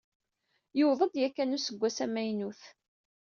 Yewweḍ-d yakan useggas amaynut.